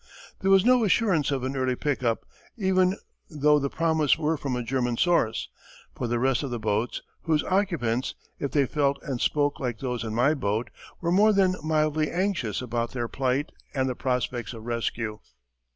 There was no assurance of an early pick up, even tho the promise were from a German source, for the rest of the boats, whose occupants if they felt and spoke like those in my boat were more than mildly anxious about their plight and the prospects of rescue.